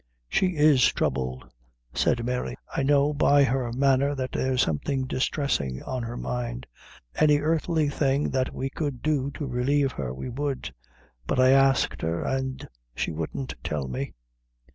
"She is troubled," said Mary; "I know by her manner that there's something distressing on her mind. Any earthly thing that we could do to relieve her we would; but I asked her, and she wouldn't tell me."